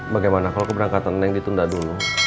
bagaimana kalau keberangkatan neng ditunda dulu